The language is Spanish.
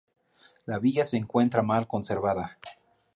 La villa se encuentra mal conservada.